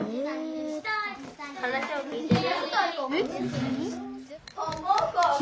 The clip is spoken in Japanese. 話を聞いてる？